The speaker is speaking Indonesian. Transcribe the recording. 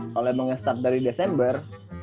kalau emangnya start dari desember